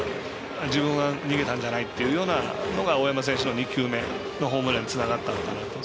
自分は逃げたんじゃないというのが大山選手の２球目のホームランにつながったのかなと。